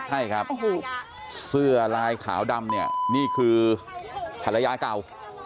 ใช่ครับเสื้อลายขาวดำเนี่ยนี่คือภรรยาเก่า